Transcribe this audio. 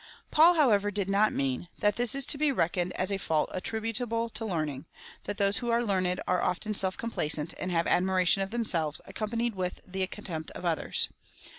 Paid, however, did not mean, that this is to be reckoned as a fault attributable to learning — that those Avho are learned are often self complacent, and have admiration of themselves, accompanied with contempt of others.